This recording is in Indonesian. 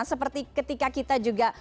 seperti ketika kita juga